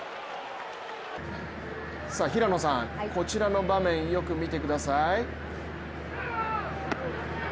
平野さん、こちらの場面よく見てください。